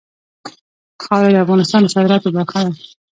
خاوره د افغانستان د صادراتو برخه ده.